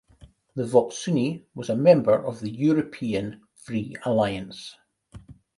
The Volksunie was a member of the European Free Alliance.